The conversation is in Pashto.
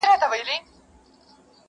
زاړه پاچاهان پراخ سلطنتونه لرل